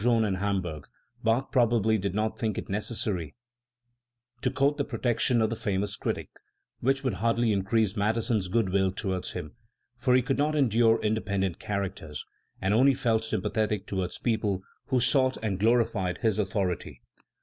During his sojourn in Hamburg, Bach pro bably did not think it necessary to court the protection of the famous critic, which would hardly increase Mat theson's good will towards him, for he could not endure independent characters, and only felt sympathetic to wards people who sought and glorified his authority.